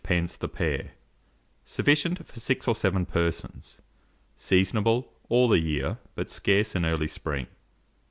the pair. Sufficient for 6 or 7 persons. Seasonable all the year, but scarce in early spring.